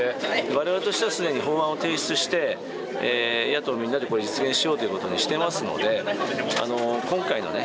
我々としてはすでに法案を提出して野党みんなで実現しようということにしてますので今回のね